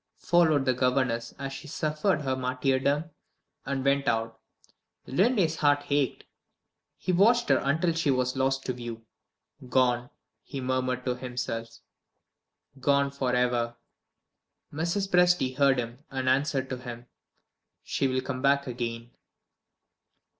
followed the governess as she suffered her martyrdom, and went out. Linley's heart ached; he watched her until she was lost to view. "Gone!" he murmured to himself "gone forever!" Mrs. Presty heard him, and answered him: "She'll come back again!"